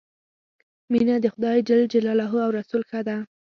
مینه د خدای ج او رسول ښه ده.